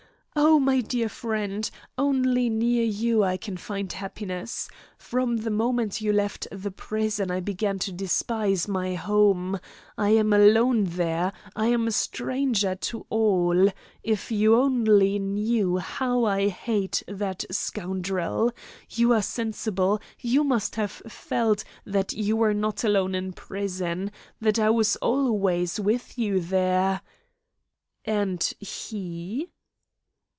Oh, my friend, only near you I can find happiness. From the moment you left the prison I began to despise my home. I am alone there; I am a stranger to all. If you only knew how I hate that scoundrel! You are sensible; you must have felt that you were not alone in prison, that I was always with you there " "And he?"